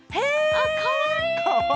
あかわいい！